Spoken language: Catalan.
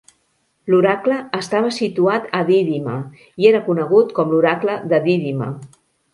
L'oracle estava situat a Dídima i era conegut com l'oracle de Dídima.